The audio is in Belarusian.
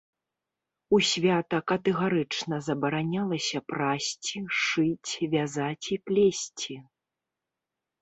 У свята катэгарычна забаранялася прасці, шыць, вязаць і плесці.